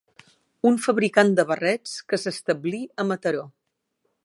Un fabricant de barrets que s'establí a Mataró.